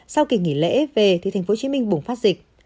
sau kỳ nghỉ lễ về thì tp hcm bùng phát dịch